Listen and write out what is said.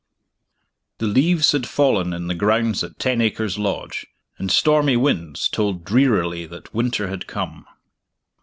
THE leaves had fallen in the grounds at Ten Acres Lodge, and stormy winds told drearily that winter had come.